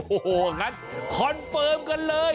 โอ้โหงั้นคอนเฟิร์มกันเลย